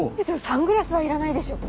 サングラスはいらないでしょ。